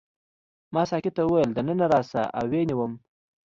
ما ساقي ته وویل دننه راشه او ویې نیوم.